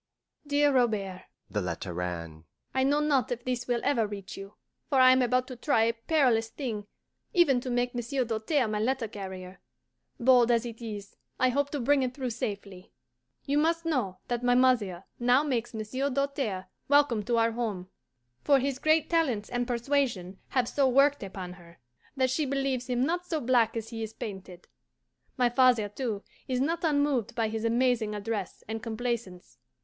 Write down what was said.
DEAR ROBERT (the letter ran): I know not if this will ever reach you, for I am about to try a perilous thing, even to make Monsieur Doltaire my letter carrier. Bold as it is, I hope to bring it through safely. You must know that my mother now makes Monsieur Doltaire welcome to our home, for his great talents and persuasion have so worked upon her that she believes him not so black as he is painted. My father, too, is not unmoved by his amazing address and complaisance.